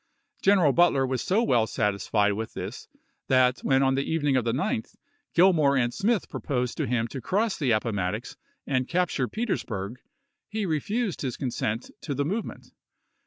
Gi eneral Butler was so well satisfied with this that when on the evening of the 9th Gillmore and Smith proposed to him to cross the Appomattox and cap ture Petersburg, he refused his consent to the move ment.